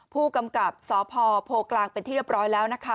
ผู้กำกับสพโพกลางเป็นที่เรียบร้อยแล้วนะคะ